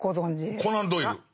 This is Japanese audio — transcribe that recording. コナン・ドイル。